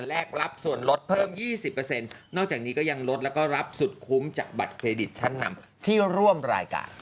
แรกรับส่วนลดเพิ่ม๒๐นอกจากนี้ก็ยังลดแล้วก็รับสุดคุ้มจากบัตรเครดิตชั้นนำที่ร่วมรายการ